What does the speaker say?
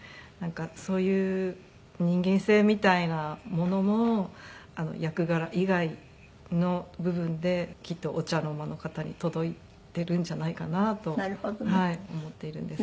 そういう人間性みたいなものも役柄以外の部分できっとお茶の間の方に届いているんじゃないかなと思っているんですが。